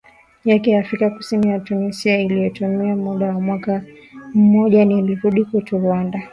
yake ya Afrika Kusini na Tunisia iliyotumia muda wa mwaka mmojaNilirudi kwetu Rwanda